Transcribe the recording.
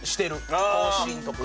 更新とか。